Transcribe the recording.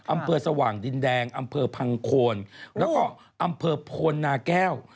อำเภอสว่างดินแดงอำเภอพังโคนแล้วก็อำเภอโพนนาแก้ว